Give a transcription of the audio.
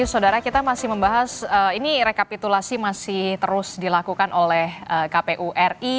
saudara kita masih membahas ini rekapitulasi masih terus dilakukan oleh kpu ri